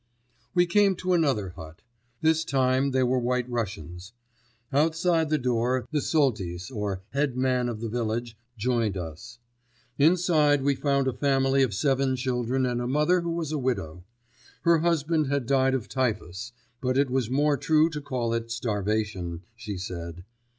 We came to another hut. This time they were White Russians. Outside the door the Soltys, or head man of the village, joined us. Inside we found a family of seven children and a mother who was a widow. Her husband had died of typhus, but it was more true to call it starvation, she said.